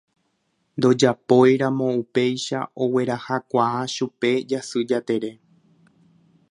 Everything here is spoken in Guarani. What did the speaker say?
Ndojapóiramo upéicha oguerahakuaa chupe Jasy Jatere.